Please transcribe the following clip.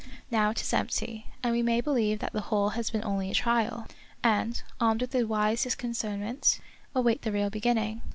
Now it is empty, and we may believe that the whole has been only a trial ; and, armed with wise discernment, await the real beginning.